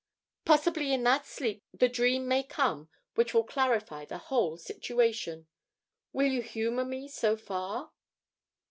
Possibly in that sleep the dream may come which will clarify the whole situation. Will you humour me so far?"